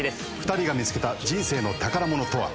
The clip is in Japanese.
２人が見つけた人生の宝物とは？